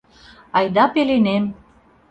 Айда пеленем.